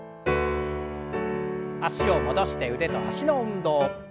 脚を戻して腕と脚の運動。